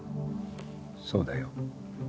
そうだよ。